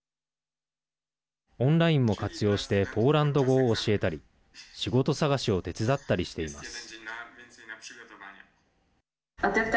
オンラインも活用してポーランド語を教えたり仕事探しを手伝ったりしています。